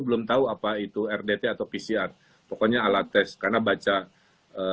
belum tahu apa itu rdt atau pcr pokoknya alat tes karena baca korea selatan saya telpon berbicara